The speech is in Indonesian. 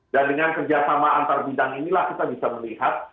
dan dengan kerjasama antar bidang inilah kita bisa melihat